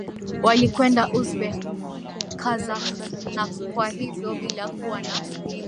walikwenda Uzbek Kazakh na Kwa hivyo bila kuwa na